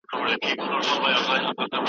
د جلال اباد صنعت کي د کارګرو اړیکې څنګه دي؟